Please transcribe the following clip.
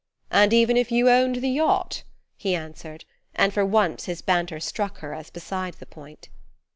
"And even if you owned the yacht?" he answered; and for once his banter struck her as beside the point.